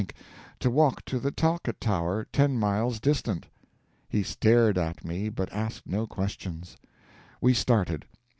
to walk to the Talcott Tower, ten miles distant. He stared at me, but asked no questions. We started.